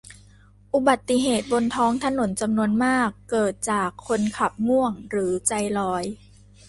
อุบัติเหตุบนท้องถนนจำนวนมากเกิดจากคนขับง่วงหรือใจลอย